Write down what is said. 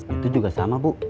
itu juga sama bu